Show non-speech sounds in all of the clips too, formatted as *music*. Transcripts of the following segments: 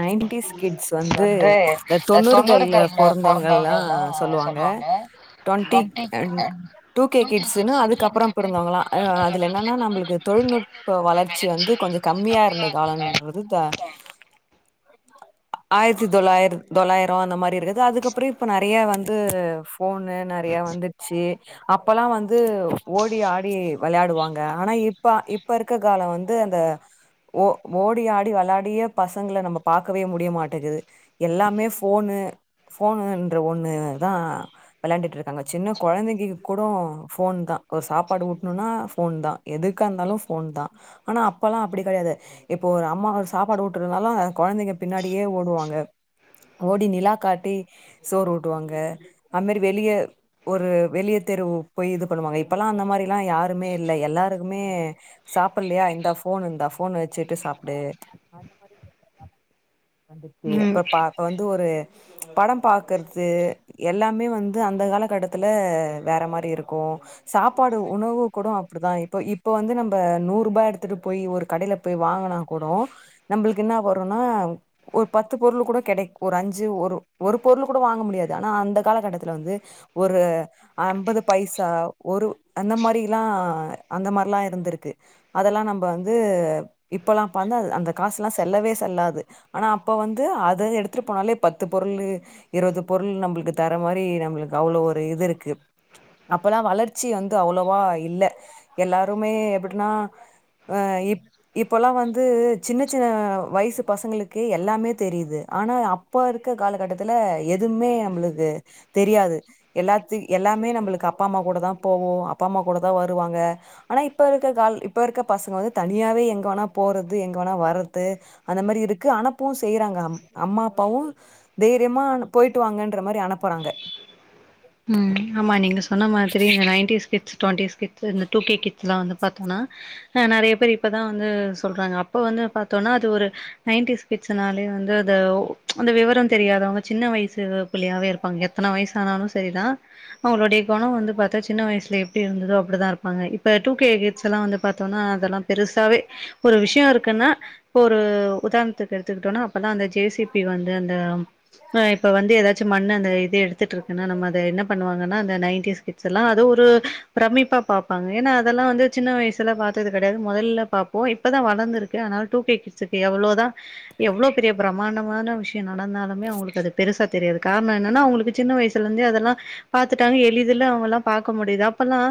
nineties kids வந்து இந்த தொண்ணூறுகள்ல பொறந்தவங்கல்லா சொல்லுவாங்க டொவண்டக் அன் டூ கே கிட்ஸ்ன்னு அதுக்குப்பறம் பிறந்தவங்களா ஆ அதுல என்னன்னா நம்மளுக்கு தொழில்நுட்ப வளர்ச்சி வந்து கொஞ்ச கம்மியா இருந்த காலம்ன்றது த ஆயிரத்தி தொள்ளாயி தொள்ளாயிரோ அந்த மாரி இருக்குது அதுக்கப்பற இப்போ நெறைய வந்து போஃனு நெறையா வந்துருச்சு அப்பல்லா வந்து ஓடி ஆடி விளையாடுவாங்க ஆனா இப்ப இப்ப இருக்க கால வந் து அந்த ஓ ஓடி ஆடி வளாடிய பச பசங்கள நம்ம பாக்கவே முடிய மாட்டேங்கது எல்லாமே போனு போனுன்ற ஒண்ணு தா விளையாண்டுட்ருக்காங்க சின்ன கொழந்தைங்க கூட போன் தா ஒரு சாப்பாடு ஊட்டணுனா போன் தா எதுக்காருந்தாலு போன் தா ஆனா அப்பெல்லா அப்படி கெடையாது இப்போ ஒரு அம்மா ஒரு சாப்பாடு ஊட் டுனுனாலு கொழந்தைங்க பின்னாடியே ஓடுவாங்க ஓடி நிலா காட்டி சோறு ஊட்டுவாங்க அது மாரி வெளிய ஒரு வெளிய தெருவு போய் இது பண்ணுவாங்க இப்பெல்லா அந்த மாரில்லா யாருமே இல்ல எல்லாருக்குமே சாப்பல்லையா இந்தா போன் இந்தா போன் வச்சுட்டு சாப்பிடு *unintelligible* ம் இப்ப பா இப்ப வந்து ஒரு படம் பாக்குறது எல்லாமே வந்து அந்த கால கட்டத்துல வேற மாரி இருக்கு சாப்பாடு உணவு கூட அப்படிதா இப்ப இப்ப வந்து நம்ம நூரூபா எடுத்துட்டு போய் ஒரு கடையில போய் வாங்குனா கூடோ நம்மளுக்கு என்னா வருன்னா ஒரு பத்து பொருள் கூட கெடைக் ஒரு அஞ்சு ஒரு ஒரு பொருள் கூட வாங்க முடியாது ஆனா அந்த காலகட்டத்துல வந்து ஒரு அம்பது பைசா ஒரு அந்த மாரியெல்லா அந்த மாரில்லா இருந்திருக்கு அதெல்லா நம்ப வந்து இப்பல்லா பாத்து அந்த காசுல்லா செல்லவே செல்லாது ஆனா அப்ப வந்து அத எடுத்துட்டு போனாலே பத்து பொருளு இருவது பொருள் நம்மளுக்கு தர மாரி நம்மளுக்கு அவ்வளோ ஒரு இது இருக்கு அப்பெல்லா வளர்ச்சி வந்து அவ்வளவா இல்ல எல்லாருமே எப்படின்னா அ இப் இப்போல்லா வந்து சின்ன சின்ன வய்சு பசங்களுக்கு எல்லாமே தெரியிது ஆனா அப்போ இருக்க காலகட்டத் துல எதும்மே நம்ளுக்கு தெரியாது எல்லாத்து எல்லாமே நம்பளுக்கு அப்பா அம்மா கூட தா போவோ அப்பா அம்மா கூட தா வருவாங்க ஆனா இப்ப இருக்க கால் இப்ப இருக்க பசங்க வந்து தனியாவே எங்க வேணா போறது எங்க வேணா வரத்து அந்த மாரி இருக்கு அனப்பவு செய்யறாங்க அம் அம்மா அப்பாவு தைரியமா போய்ட்டு வாங்கன்ற மாரி அனப்பறாங்க ம் ஆமா நீங்க சொன்ன மாதிரி இந்த நைன்ட்டீஸ் கிட்ஸ் டுவன்ட்டிஸ் கிட் இந்த டூ கே கிட்ஸ் எல்லா வந்து பாத்தம்னா அ நெறைய பேர் இப்பதா வந்து சொல்றாங்க அப்ப வந்து பாத்தோனா அது ஒரு நைன்ட்டீஸ் கிட்ஸ்னாலே வந்து த ஒ அந்த விவரோ தெரியாதவ்ங்க சின்ன வய்சு பிள்ளையாவே இருப்பாங்க எத்தன வய்சானாலு சரிதா அவுங்ளுடைய குணோ வந்து பாத்தா சின்ன வய்சுல எப்டி இருந்துதோ அப்டிதா இருப்பாங்க இப்ப டூ கே கிட்ஸ் எல்லா வந்து பாத்தோனா அதெல்லா பெருசாவே ஒரு விஷ்யோ இருக்குன்னா இப்ப ஒரு உதார்ண்த்துக்கு எடுத்துக்கிட்டோனா அப்பல்லா அந்த ஜே சி பி வந்து அந்த அ இப்ப வந்து எதாச்சு மண்ணு அந்த இது எடுத்துட்ருக்குன்னா நம்ம அது என்ன பண்ணுவாங்கன்னா அந்த நைன்ட்டீஸ் கிட்ஸ் எல்லா அத ஒரு பிரமிப்பா பாப்பாங்க ஏனா அதெல்லா வந்து சின்ன வய்சுல பாத்தது கெடையாது மொதல்ல பாப்போ இப்பதா வளந்திருக்கு ஆனால் டூ கே கிட்ஸ்சுக்கு எவ்ளோதா எவ்ளோ பெரிய பிரமாண்டமான விஷ்யோ நடந்தாலுமே அவுங்களுக்கு அது பெருசா தெரியாது கார்ணோ என்னனா அவுங்களுக்கு சின்ன வய்சுலிர்ந்தே அத ல்லா பாத்துட்டாங்க எளிதுல அவுங்கல்லா பாக்க முடியிது அப்பல்லா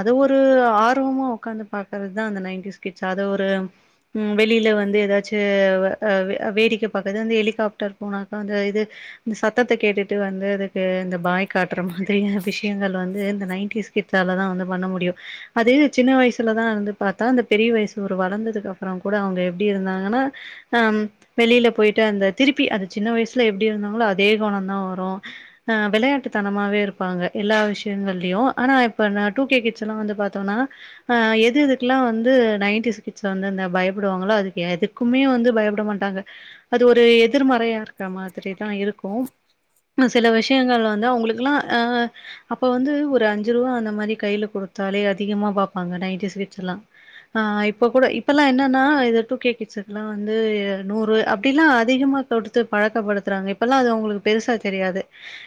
அது ஒரு ஆர்வமா உக்காந்து பாக்கறத் தா அந்த நைன்ட்டீஸ் கிட்ஸ் அத ஒரு ம் வெளில வந்து எதாச்சு வெ அ வே அ வேடிக்க பாக்கற்து அந்த எலிகாப்டர் போனாக்கா அந்த இது அந் சத்தத்த கேட்டுட்டு வந்து அதுக்கு இந்த பாய் காட்ற மாதிரியான விஷ்யங்கள் வந்து இந்த நைன்ட்டீஸ் கிட்ஸ்ஸால தா வந்து பண்ண முடியு அது சின்ன வய்சுலதா இருந்து பாத்தா அந்த பெரிய வய்சு ஒரு வளந்ததுக்கப்பறோ கூட அவுங்க எப்டி இருந்தாங்கன்னா அ வெளில போய்ட்டு அந்த திருப்பி அது சின்ன வய்சுல எப்டி இருந்தாங்ளோ அதே குணோ தா வரு ஆ வெளையாட்டு தனமாவே இருப்பாங்க எல்லா விஷ்யங்கள்லயு ஆனா இப்ப நா டூ கே கிட்ஸ் எல்லா வந்து பாத்தோனா அ எது எதுக்கெல்லா வந்து நைன்ட்டீஸ் கிட் ஸ் வந்து அந்த பயப்படுவாங்களோ அதுக்கு எதுக்குமே வந்து பயப்பட மாட்டாங்க அது ஒரு எ திர்மறையா இருக்க மாதிரிதா இருக்கு அ சில விஷயங்கள் வந்து அவுங்களுக்கெல்லா அ அப்ப வந்து ஒரு அஞ்சுருவா அந்த மாரி கைல குடுத்தாலே அதிகமா பாப்பாங்க நைன்ட்டீஸ் கிட்ஸ் எல்லா ஆ இப்ப கூட இப்பெல்லா என்னனா இது டூ கே கிட்ஸ்ஸுக்குல்லா வந்து நூறு அப் டிலா அதிகமா குடுத்து பழக்கப்படுத்றாங்க இப்பெல்லா அது அவுங்களுக்கு பெருசா தெரியாது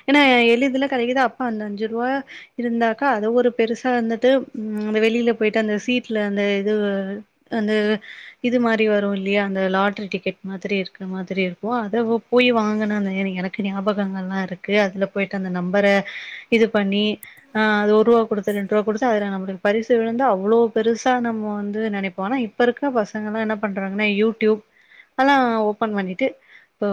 ஏனா எளிதுல கெடைக்குது அப்ப அந்த அஞ்சுருவா இருந்தாக்கா அத ஒரு பெருசா வந்துட்டு ம் அந்த வெளில போய்ட்டு அந்த சீட்ல அந்த இது அந்த இது மாரி வரு இல்லியா அந்த லாட்ரி டிக்கெட் மாதிரி இருக்க மாதிரி இருக்கு அத போயி வாங்குன அந்த எனி எனக்கு ஞாபகங்கள்லா இருக்கு அதுல போய்ட்டு அந்த நம்பர இது பண்ணி ஆ அது ஒருவா குடுத்து ரெண்ருவா குடுத்து அதுல நம்ளுக் பரிசு விழுந்தா அவ்ளோ பெருசா நம்ம வந்து நெனைப்போ ஆனா இப்ப இருக்க பசங்கல்லா என்ன பண்றாங்கன்னா யூடியூப் அல்லா ஓப்பன் பண்ணீட்டு இப்போ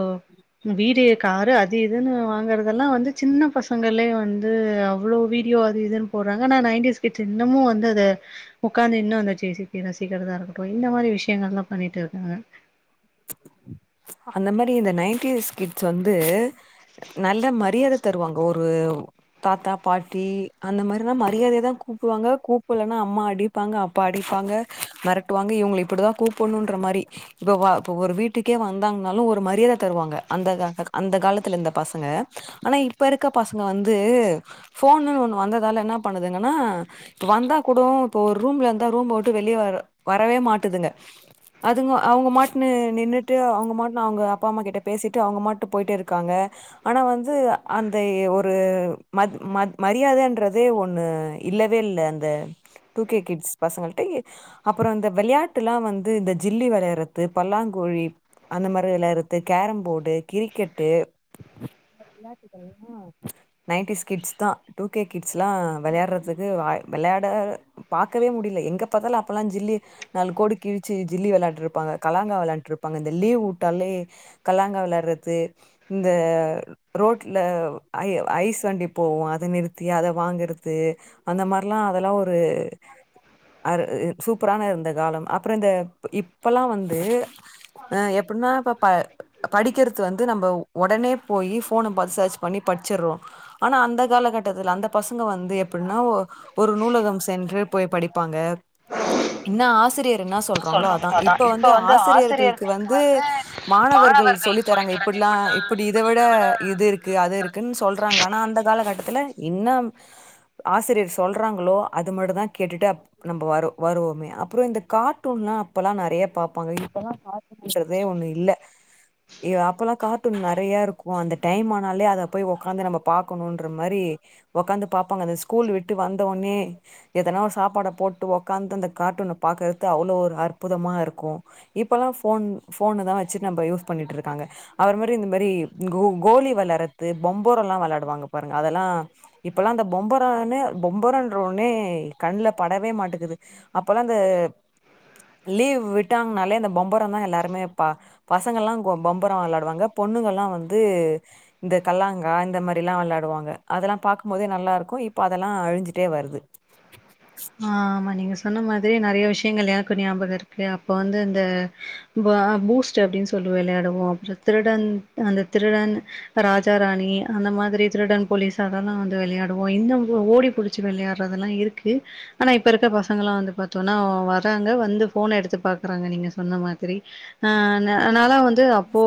வீடு, காரு அது இதுன்னு வாங்கற அதெல்லா வந்து சின்ன பசங்களே வந்து அவ்ளோ வீடியோ அது இதுன் போட்றாங்க ஆனா நைன்டீஸ் கிட்ஸ் இன்னமு வந்து அது உக்காந்து இன்னு அந்த ஜே சி பி ய ரசிக்கிறதா இருக்கட்டு இந்த மாரி விஷ்யங்கள்லா பண்ணீட்டுருக்காங்க அந்த மாரி இந்த நைன்ட்டீஸ் கிட்ஸ் வந்து நல்ல மரியாத தருவாங்க ஒரு தாத்தா பாட்டி அந்த மாரில்லா மரியாதையா தா கூப்டுவாங்க கூப்பட்லன்னா அம்மா அடி ப்பாங்க அப்பா அடிப்பாங்க மெரட்டுவாங்க இவங்கள இப்படிதான் கூப்டணுன்ற மாரி புவா இப்போ ஒரு வீட்டுக்கே வந்தாங்கன்னாலும் ஒரு மரியாத தருவாங்க அந்த அந்த காலத்துல இருந்த பசங்க ஆனா இப்ப இருக்க பசங்க வந்து ஃபோனுன்னு ஒண்ணு வந்ததால என்ன பண்ணுதுங்கன்னா வந்தா கூட இப்ப ஒரு ரூம்ல இருந்தா ரூம் விட்டு வெளிய வர வரவே மாட்டுதுங்க அதுங்க அனுங்க மாட்டுனு நின்னுட்டு அவுங்க மாட்டுனு அவுங்க அப்பா அம்மா கிட்ட பேசிட்டு அனுங்க மாட்ட போய்டே இருக்காங்க ஆனா வந்து அந்த ஒரு ம ம மரியாதன்றதே ஒண்ணு இல்லவே இல்ல அந்த டு கே கிட்ஸ் பசங்கள்ட்ட அப்புறம் இந்த விளையாட்டுல்லாம் வந்து இந்த ஜில்லி விளைய றத்து பல்லாங்குழி அந்த மாரி வெளாடுறது கேரம்ப போர்டு கிரிக்கெட்டு நேந்து என்னாச்சி தெரியுமா நைன்டிஸ் கிட்ஸ் தா டூ கே கிட்ஸ்லா வெளையாடுறதுக்கு வெளையாட பாகக்கவே முடியில எங்க பத்தாலும் அப்பெல்லாம் ஜில்லி நாலு கோடு கிழிச்சி ஜில்லி விளான்ருபோ ப்பாங்க கலாங்கா வெளாண்டுட்ருப்பாங்க இந்த லீவ் வுட்டாலே கலாங்கா வெளாட்றது இந்த ரோட்ல ஐ ஐஸ் வண்டி போவோம் அத நிறுத்தி அத வாங்கர்து அந்த மாரிலாம் அதெல்லாம் ஒரு அ சூப்பரான இருந்த காலம் அப்றோ இந்த இப் இப்பல்லா வந்து அ எப்பன்னா பாப்பா படிகர்து வந்து நம்ம ஒடனே போயி ஃபோன பாத் சர்ச் பண்ணி படிச்சர்றோம் ஆனா அந்த காலகட்டத்துல அந்த பசங்க வந்து எப்பல்ன்னா ஒ ஒரு நூலகம் சென்று போய் படிப்பாங்க என்ன ஆசிரியர் என்ன சொல்றாங்களோ அதான் இப் வந்து ஆசிரியர்களுக்கு வந்து மாணவர்கள் சொல்லி தராங்க இப்படிலாம் இப்படி இத விட இது இருக்கு அது இருக்குன் சொல்றாங்க ஆனா அந்த காலகட்டத்துல இன்னும் ஆசிரியர் சொல்றாங்களோ அது மட்டும் தான் கேட்டுட்டு அப் நம்ம வரு வருவோமே அப்புறம் இந்த கார்ட்டூன் லாம் அப்பெல்லாம் நெறைய பாப்பாங்க இப்பல்லாம் கார்ட்டூன்றதே ஒண்ணு இல்ல எ அப்போல்லாம் கார்ட்டூன் நெறைய இருக்கும் அந்த டைம் ஆனாலே அத போய் உக்காந்து நம்ம பாக்கணுன்ற மாரி ஒக்காந்து பாப்பாங்க அந்த ஸ்கூல் விட்டு வந்தோனே எதனா ஒரு சாப்பாட போட்டு ஒக்காந்து அந்த கார்டூன பாக்கர்து அவ்ளோ ஒரு அற்புதமா இருக் கோ இப்பல்லாம் ஃபோன் ஃபோன தா வச்சிட் நம்ப யூஸ் பண்ணிட்ருக்காங்க அவர் மாரி இந்த மாரி கோ கோலி விளாறது பொம்போரல்லாம் வெளிடுவாங்க பாருங்க அதெல்லா இப்பல்லாம் அந்த பொம்பரனு பொம்பரன்ற ஒன்னே கண்ல படவே மாட்டுக்குது அப்பல்லாம் இந்த லீவ் விட்டாங்கனாலே இந்த பொம்பரம் தான் எல்லாருமே பா பசங்கள்லாம் கொ பொம்பரம் விளாடுவாங்க பொண்ணுங்கள்லாம் வந்து இந்த கல்லாங்கா இந்த மாரிலாம் வெளாடுவாங்க அதெல்லாம் பாக்கும்போதே நல்லாயிருக்கும் இப்போ அதெல்லா அழிஞ்சிட்டே வருது ஆமா நீங்க சொன்ன மாதிரி நெறைய விஷயங்கள் எனக்கு ஞாபகம் இருக்கு அப்ப வந்து இந்த ப பூஸ்ட்டு அப்டின் சொல்லி விளையாடுவோம் அப்புறம் திருடன் அந்த திருடன் ராஜா ராணி அந்த மாதாரி திருடன் போலீஸ் அதெல்லா வந்து விளையாடுவோம் இன்ன ஓடி புடிச் ச்சி விளையாடுற தெல்லா இருக்கு ஆனா இப்போ இருக்க பசங்களாம் வந்து பாத்தோன்னா வராங்க வந்து ஃபோன எடுத்து பாக்குறாங்க நீங்க சொன்ன மாதிரி ஆ அன்ன அனாலா வந்து அப்போ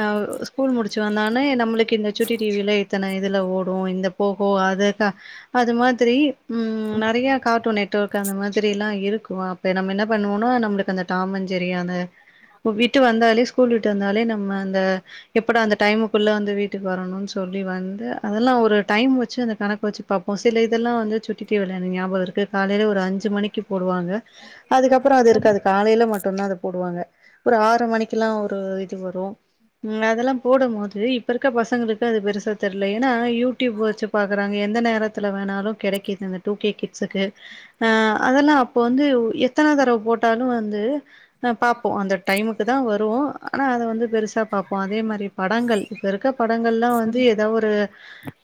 ஆ ஸ்கூல் முடிச்சி வந்தாங்கனா நம்மளுக்கு இந்த சுட்டி டி வி யில இத்தன இதுல ஓடும் இந்த போகோ அதுக்க அது மாதிரி ம் நெறைய ட்டூன் நெட் ஒர்க் அந்த மாதிரி எல்லாம் இருக்கும் அப்ப நம்ம என்ன பண்ணுவோம்னா நம்மளுக்கு அந்த டாமன் ஜெரி அந்த ஒ விட்டு வந்தாலே ஸ்கூல் விட்டு வந்தாலே நம்ம அந்த எப்பட அந்த டைமுக்குள்ள வந்து வீட்டுக்கு வரணும்னு சொல்லி வந்து அதெல்லா ஒரு டைம் வச்சு அந்த கணக்கு வச்சு பாப்போ சில இதெல்லா வந்து சுட்டி டிவிய எனக் ஞாபகருக் கு காலையில ஒரு அஞ்சு மணிக்கு போடுவாங்க அதுக்கப்பறம் அது இருக்கது காலையில மட்டு்தா அது போடுவாங்க ஒரு ஆறு மணிக்குல்லா ஒரு இது வரும் ம் அதெல்லா போடம் போது இப்ப இருக்க பசங்களுக்கு அது பெருசா தெர்ல ஏன்னா யூடியூப் வச்சு பாக்கறாங்க எந்த நேரத்தில வேணாலும் கிடைக்குது இந்த டு கே கிட் ஸ்க்கு அ அதெல்லா அப்போ வந்து எத்தன தடவ போட்டாலும் வந்து ஆ பாப்போம் அந்த டைமுக்கு தான் வருவோம் ஆனா அத வந்து பெருசா பாப்போ அதே மாரி படங்கள் இப்ப இருக்க படங்கள்லா வந்து ஏதா ஒரு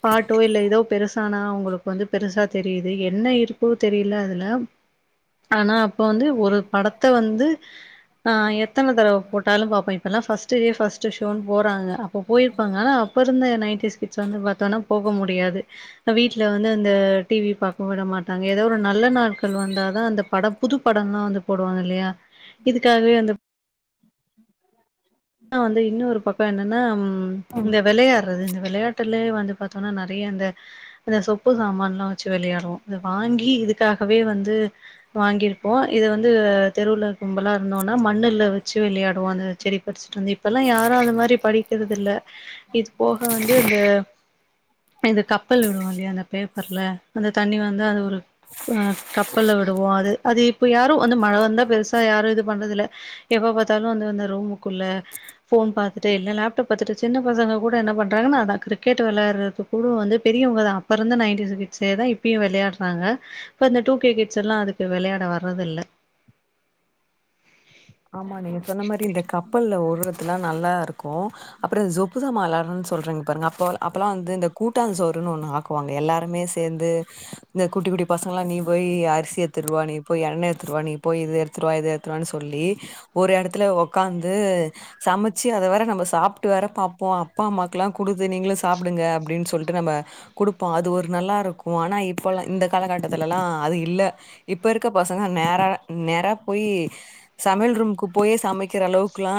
பாட்டோ இல்ல ஏதோ பெருசானா உங்களுக்கு வந்து பெருசா தெரியுது என்ன யூ டுப்போ தெரியல அதுல ஆனா அப்ப வந்து ஒரு படத்த வந்து ஆ எத்தன தடவ போட்டாலு பா்பே இப்பல்லா ஃபஸ்ட் டே பர்ஸ்ட் ஷோண்ணு போறாங்க இப்ப போயிருப்பாங்க ஆனா அப்ப இருந்த நையண்டிஸ் வந்து பாத்தம்னா போக முடியாது வீட் ல வந்து அந்த டிவி பாக்க விட மாட் டாங்க ஏதோ ஒரு நல்ல நாட்கள் வந்தாதா அந்த படம் புது படம்ல்லா வந்து போடுவாங்க இல்லையா இதுக்காகவே வந்து வந்து இன்னொரு பக்கம் என்னன்னா இந்த வெள்ளையார் *unintelligible* இந்த விளையாட்டுலயே வந்து பாத்தோனா நெறைய இந்த அந்த சொப்பு சாமான்ல்லா வச்சு விளையாடுவோ இத வாங்கி இதுக்காகவே வந்து வாங்கியிருப்போ இத வந்து தெருவுல கும்பலா இருந்தோன்னா மண்ணுல வச்சு விளையாடுவோ அந்த செடி படிச்சுட்டு வந்து இப்பல்லா யாரும் அந்த மாரி படிக்கிறதில்ல இது போக வந்து இந்த இது கப்பல் விடுவோ இல்லையா அந்த பேப்பர்ல அந்த தண்ணி வந்து அது ஒரு ஆ கப்பல்ல விடுவோம் அது அது இப்ப யாரும் வந்து மழை வந்தா பெருசா யாரும் இது பண்றதில்ல எப்ப பாத்தாலும் வந்து வந்த ரூமுக்குள்ள போன் பாத்துுட்டு இல்ல லேப்டாப் பாத்துட்டு சின்ன பசங்க கூட என்ன பண்றாங்கன்னா அதா கிரிக்கெட் விளையாடுறது *unintelligible* வந்து பெரியவங்க தா அப்பருந்து நைன்டிஸ் கிட்ஸே தான் இப்பயும் விளையாடுறாங்க இப்ப இந்த டூ கே கிட்ஸ்ல்லா அதுக்கு விளையாட வர்றதில்ல ஆமா நீங்க சொன்ன மாரி இந்த கப்பல்ல ஓரத்துள்ள நல்லாருக்கு அப்ரோ சொப்பு சமா விளையாடுறோ சொல்றிங்க பாரு அப்ப அப்பல்லாம வந்து இந்த கூட்டா சோறுன்னு ஒண்ணு ஆக் குவாங்க எல்லோருமே சேந்து இந்த குட்டி குட்டி பசங்கல்லா நீ போய் அரிசி ஏடுத்துடுவா நீ போய் எண்ணெய்எடுத்துடுவா நீ போய்து இது எடுத்துடுவா இது எடு த்துட்டு வானு சொல்லி ஒரு எடத்துல உக்காந்து சமச்சு அதை வேற நம்ம சாப்பிட்டு வற பார்பப்போ அப்பா அம்மாக்கக்குெல்லா கொடுத்து நீங்களும் சாப்பிடுங்க அப்படின்னு சொல்லிட்டு நம்ம குடுப்போ அது ஒரு நல்லாருக்கு ஆனா இப்பல்லா இந்த காலகட்டத்துலல்லா அது இல்ல இப்ப இருக்க பசங்க நேர நேர போயி சமையல் ரூம்க்கு போயே சமைக்கிற அளவுக்குல்லா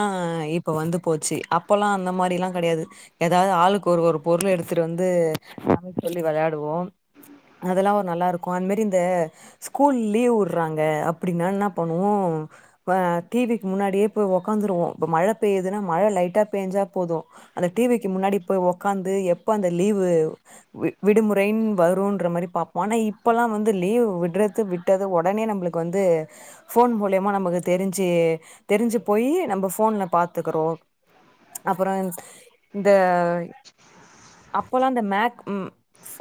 இப்போ வந்து போச்சு அப்பெல்லாம் அந்த மாரிலாம் கிடையாது ஏதாவது ஆளுக்கு ஒரு ஒரு பொருள எடுத்துட்டு வந்து சமைக்க சொல்லி விளையாடுவோ அதெல்லா ஒரு நல்லா இருக்கும் அந்த மாரி இந்த ஸ்கூல் லீவ் விட்றாங்க அப்டின்னா என்ன பண்ணுவோ ஆ டிவிக்கு முன்னாடியே போய் உட்காந்துருவோம் இப்போ மழ பெய்துன்னா மழ லைட்டா பெய்ஞ்சா போது அந்த டிவிக்கு முன்னாடி போய் உட்காந்து எப்ப அந்த லீவு விடுமுறைன் வரும்ன்ற மாரி பாப்போம் ஆனா இப்பல்லாம் வந்து லீவ் விடறது விட் டது உடனே நம்மளுக்கு வந்து போன் மூலியமா நமக்கு தெரிஞ்சு தெரிஞ்சு போய் நம்ம போன்ல பாத்துக்கறோ அப்பறம் இந்த அப்போல்லாம் அந்த மேக் ம் ஸ்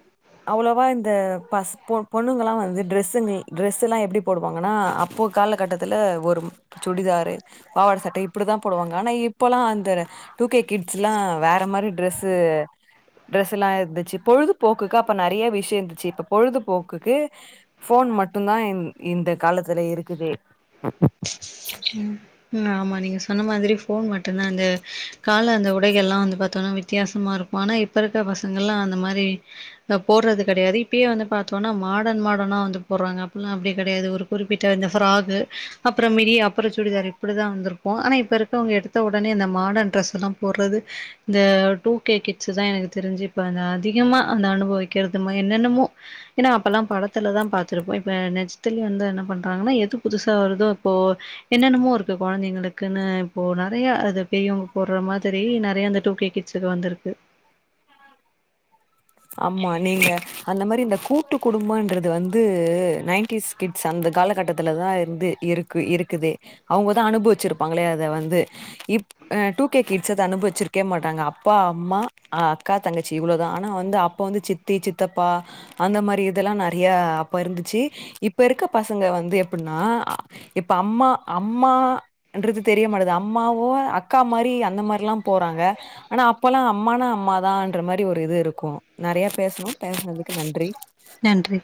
அவ்ளோவா இந்த பஸ் பொண்ணுங்க எல்லாம் வந்து டிரெஸ்ங்க டிரெஸ் எல்லாம் எப்டி போடுவாங்கன்னா அப்போ காலகட்டத்துல ஒரு சுடிதாரு பாவாட சட்ட இப்டிதான் போடுவாங்க ஆனா இப்பல்லாம் அந்த டூ கே கிட்ஸ்லாம் வேற மாறி ட்ரெஸ்ஸு ட்ரெஸ் எல்லாம் இருந்துச்சு பொழுதுபோக்குக்கு அப்ப நெறைய விஷயம் இருந்துச்சு இப்ப பொழுதுபோக்குக்கு ஃபோன் மட்டும் தான் இந்த காலத்துல இருக்குதே ம் ம் ஆமா நீங்க சொன்ன மாதிரி ஃபோன் மட்டும்தான் அந்த கால அந்த உடைகள் எல்லாம் வந்து பாத்தோம்னா வித்தியாசமா இருக்கும் ஆனா இப்ப இப்ப இருக்க பசங்கலாம் அந்த மாறி அ போறது கெடையாது இப்பயே வந்து பாத்தோம்னா மாடர்ன் மாடர்னா வந்து போடுறாங்க அப்பெல்லாம் அப்டி கெடையாது ஒரு குறிப்பிட்ட அந்த ஃப்ராக் அப்பறம் மிடி அப்பறம் சுடிதார் இப்டிதான் வந்திருப்போம் ஆனா இப்ப இருக்க அவங்க எடுத்த உடனே அந்த மாடர்ன் ட்ரெஸ் எல்லாம் போறது இந்த டூ கே கிட்ஸ் தான் எனக்கு தெரிஞ்சு இப்போ அதிகமா அந்த அனுபவிக்கிறதுமா என்னென்னமோ ஏன்னா அப்ப எல்லாம் படத்துலதான் பாத்திருப்போம் இப்ப நெஜத்தலயும் வந்து என்ன பண்றாங்கன்னா எது புதுசா வருதோ இப்போ என்னென்னமோ இருக்கு குழந்தைங்களுக்குன்னு இப்போ நெறைய அது பெரியவங்க போடுற மாதிரி நெறைய அந்த டூ கே கிட் ட்ஸ்க்கு வந்திருக்கு ஆமா நீங்க அந்த மாறி இந்த கூ ட்டு குடும்பன்றது வந்து நைன்டிஸ் கிட்ஸ் அந்த காலகட்டத்தில் தான் இருந்து இருக்கு இருக்குது அவங்கதான் அனுபவிச்சிருப்பாங்களே அத வந்து இப் அ டூ கே கிட்ஸ் அத அனுபவிச்சிருக்கவே மாட்டாங்க அப்பா அம்மா அக்கா தங்கச்சி இவ்ளோதான் ஆனா வந்து அப்ப வந்து சித்தி சித்தப்பா அந்த மாறி இதெல்லாம் நெறைய அப்ப இருந்துச்சு இப்ப இருக்க பசங்க வந்து எப்டின்னா இப்ப அம்மா அம்மா ன்றது தெரிய மாட்டுது அம்மாவும் அக்கா மாறி அந்த மாறி எல்லாம் போறாங்க ஆனா அப்பல்லாம் அம்மானா அம்மாதான்ற மாறி ஒரு இது இருக்கும் நெறைய பேசணோம் பேசனதுக்கு நன்றி நன்றி